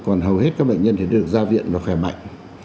còn hầu hết các bệnh nhân thì được ra viện và khỏe mạnh